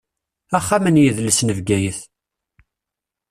Axxam n yidles n Bgayet.